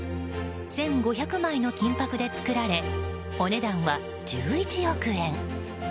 １５００枚の金箔で作られお値段は１１億円。